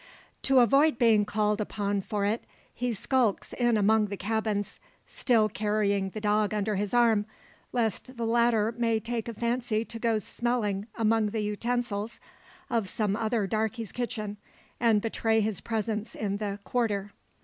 To avoid being called upon for it, he skulks in among the cabins; still carrying the dog under his arm, lest the latter may take a fancy to go smelling among the utensils of some other darkey's kitchen, and betray his presence in the "quarter."